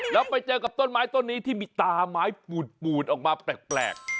แล้วไปเจอกับต้นไม้ต้นนี้ที่มีตาไม้ปูดออกมาแปลก